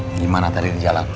gimana tadi di jalan